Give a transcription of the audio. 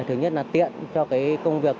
thứ nhất là tiện cho công việc